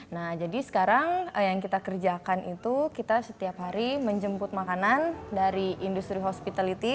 nah jadi sekarang yang kita kerjakan itu kita setiap hari menjemput makanan dari industri hospitality